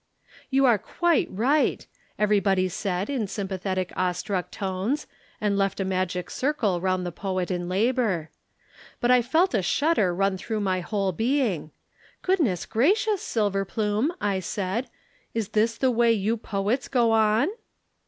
"'You are quite right,' everybody said in sympathetic awestruck tones and left a magic circle round the poet in labor. But I felt a shudder run through my whole being. 'Goodness gracious, Silverplume,' I said, 'is this the way you poets go on?'"